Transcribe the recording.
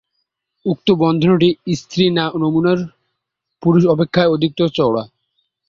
উক্ত বন্ধনীটি স্ত্রী নমুনায় পুরুষ অপেক্ষা অধিকতর চওড়া।